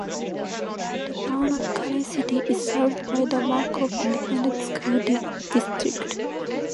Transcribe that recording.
The Town of Caney City is served by the Malakoff Independent School District.